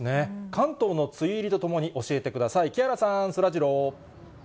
関東の梅雨入りとともに教えてください、木原さん、そらジロー。